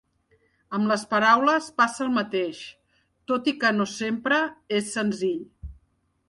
Amb les paraules passa el mateix, tot i que no sempre és senzill.